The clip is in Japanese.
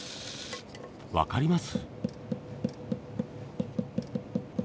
分かります？